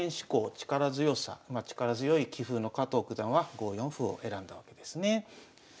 力強さ力強い棋風の加藤九段は５四歩を選んだわけですね。